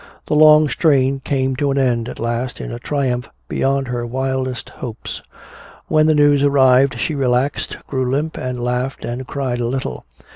The long strain came to an end at last in a triumph beyond her wildest hopes; when the news arrived she relaxed, grew limp, and laughed and cried a little.